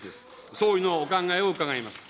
総理のお考えを伺います。